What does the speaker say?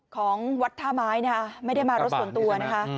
ของวัดท่าไม้นะคะไม่ได้มารถส่วนตัวนะคะ